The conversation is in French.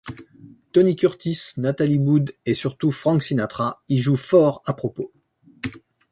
Tony Curtis, Natalie Wood et surtout Frank Sinatra y jouent fort à propos.